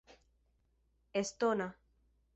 estona